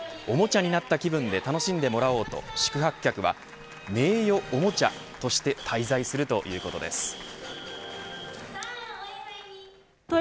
おもちゃになった気分で楽しんでもらおうと宿泊客は名誉おもちゃとして滞在するということです。